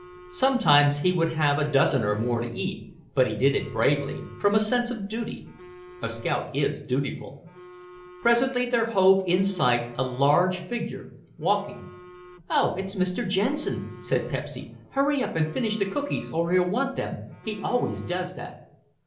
Sometimes he would have a dozen or more to eat, but he did it bravely—from a sense of duty. A scout is dutiful. Presently there hove in sight a large figure, walking. "Oh, it's Mr. Jensen," said Pepsy; "hurry up and finish the cookies or he'll want them; he always does that."